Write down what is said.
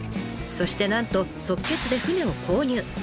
そしてなんと即決で船を購入。